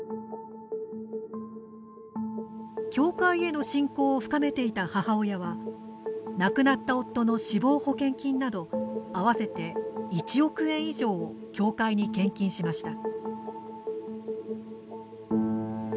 教会への信仰を深めていた母親は亡くなった夫の死亡保険金など合わせて１億円以上を教会に献金しました。